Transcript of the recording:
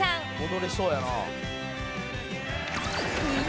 「踊れそうやな」